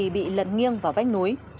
bị lật nghiêng vào vách núi